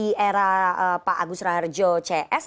di era pak agus raharjo cs